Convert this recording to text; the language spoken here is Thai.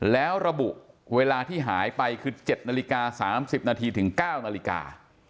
แล้วระบุเวลาที่หายไปคือ๗นาฬิกา๓๐นาทีถึง๙นาฬิกา